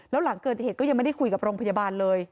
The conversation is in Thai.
แล้วหลังเกิดเหตุก็ยังไม่ได้คุยกับโรงพยาบาลเลย